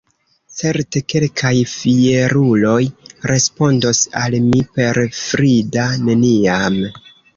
Certe kelkaj fieruloj respondos al mi per frida “neniam”.